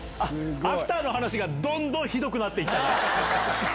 アフターの話がどんどんひどくなって行った。